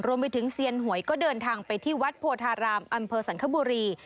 รวมไปถึงเซียนหวยก็เดินทางไปที่วัดโพธารามอำเภอสันคบุรี